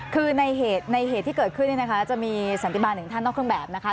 คือในเหตุที่เกิดขึ้นเนี่ยนะคะจะมีสันติบาลหนึ่งท่านนอกเครื่องแบบนะคะ